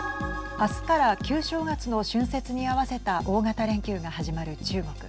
明日から旧正月の春節に合わせた大型連休が始まる中国。